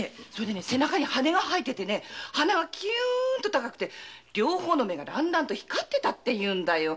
背中に羽が生えてて鼻もキューっと高くて両方の目が光ってたっていうんだよ。